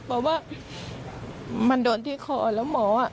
เพราะว่ามันโดนที่คอแล้วหมออ่ะ